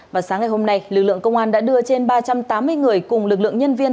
và sáng ngày hôm nay lực lượng công an đã đưa trên ba trăm tám mươi người cùng lực lượng nhân viên